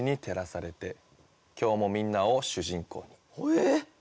えっ？